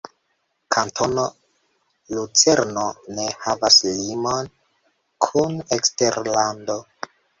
Kantono Lucerno ne havas limon kun eksterlando.